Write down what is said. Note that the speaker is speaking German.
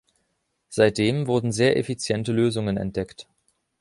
Seitdem wurden sehr effiziente Lösungen entdeckt.